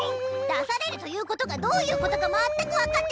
出されるということがどういうことかまったく分かってないのでぃす！